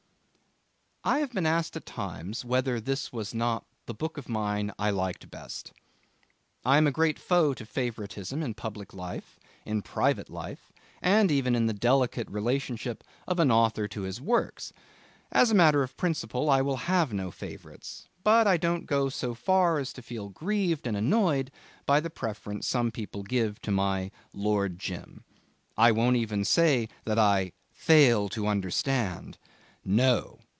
I have been asked at times whether this was not the book of mine I liked best. I am a great foe to favouritism in public life, in private life, and even in the delicate relationship of an author to his works. As a matter of principle I will have no favourites; but I don't go so far as to feel grieved and annoyed by the preference some people give to my Lord Jim. I won't even say that I 'fail to understand ...' No!